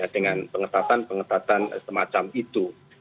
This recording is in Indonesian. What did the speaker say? dengan pengetatan pengetatan semacam itu